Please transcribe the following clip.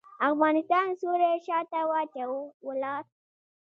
احمد څوری شا ته واچاوو؛ ولاړ.